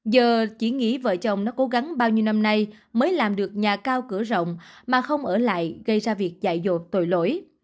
giờ chỉ nghĩ vợ chồng nó cố gắng bao nhiêu năm nay mới làm được nhà cao cửa rộng mà không ở lại gây ra việc dạy dột tội lỗi